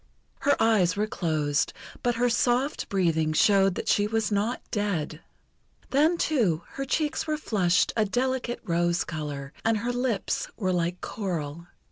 Her eyes were closed, but her soft breathing showed that she was not dead. Then, too, her cheeks were flushed a delicate rose colour, and her lips were like coral.